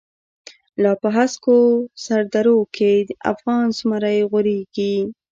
لا په هسکو سر درو کی، افغانی زمری غوریږی